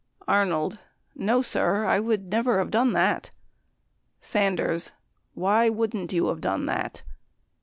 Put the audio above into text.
Arnold. No, sir, I would never have done that. Sanders. Why wouldn't you have done that?